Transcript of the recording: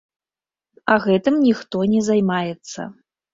А гэтым ніхто не займаецца.